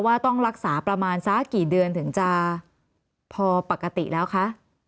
ว่าต้องรักษาประมาณสักกี่เดือนถึงจะพอปกติแล้วคะ